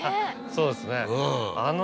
そうですね。